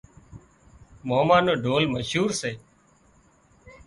ماما نو ڍول مشهور سي